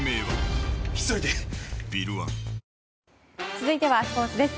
続いてはスポーツです。